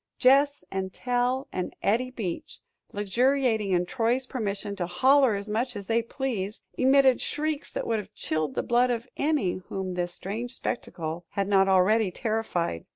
Gess and Tell and Eddie Beach, luxuriating in Troy's permission to "holler as much as they pleased," emitted shrieks that would have chilled the blood of any whom this strange spectacle had not already terrified.